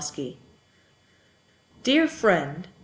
Dear Friend!